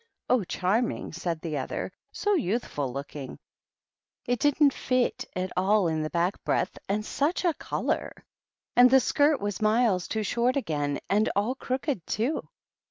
"Oh, charming!" said the other. "So youth ftil looking. It didn't fit at all in the back breadth, and such a color! And the skirt was miles too short again, and all crooked, too.